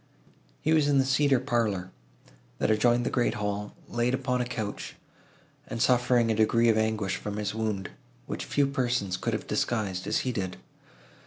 He was in the cedar parlour, that adjoined the great hall, laid upon a couch, and suffering a degree of anguish from his wound, which few persons could have disguised, as he did.